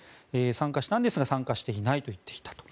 参加したんですが参加していないと言っていたと。